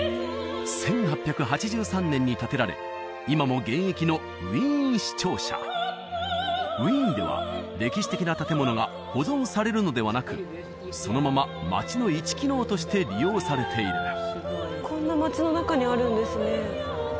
１８８３年に建てられ今も現役のウィーン市庁舎ウィーンでは歴史的な建物が保存されるのではなくそのまま街の一機能として利用されているこんな街の中にあるんですね